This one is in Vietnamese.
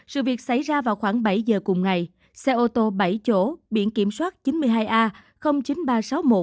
sự việc xảy ra vào khoảng bảy giờ cùng ngày xe ô tô bảy chỗ biển kiểm soát chín mươi hai a chín nghìn ba trăm sáu mươi một